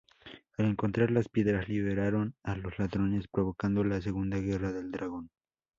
Al encontrar las piedras liberaron a los dragones, provocando la Segunda Guerra del Dragón.